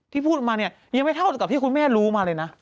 พูดมาเนี่ยยังไม่เท่ากับที่คุณแม่รู้มาเลยนะ